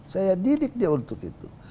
saya didik dia untuk itu